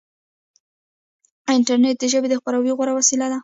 انټرنیټ د ژبې د خپراوي غوره وسیله ده.